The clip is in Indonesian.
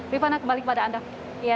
rifana kembali kepada anda